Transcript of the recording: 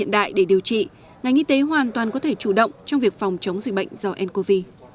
những bệnh viện hiện đại để điều trị ngành y tế hoàn toàn có thể chủ động trong việc phòng chống dịch bệnh do ncov